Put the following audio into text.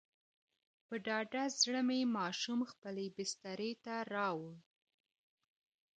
په ډاډه زړه مې ماشوم خپلې بسترې ته راووړ.